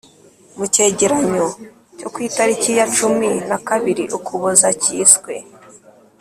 mu cyegeranyo cyo ku itariki ya cumi nakabiri ukuboza cyiswe